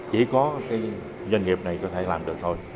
chỉ có cái doanh nghiệp này có thể làm được thôi